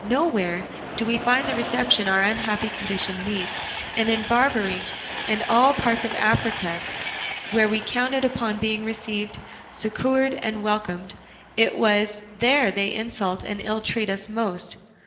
Nowhere do we find the reception our unhappy condition needs; and in Barbary and all the parts of Africa where we counted upon being received, succoured, and welcomed, it is there they insult and ill treat us most.